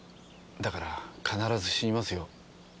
だから必ず死にますよ。